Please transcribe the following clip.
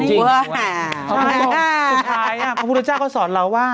สุดท้ายพระพุทธเจ้าก็สอนเราว่า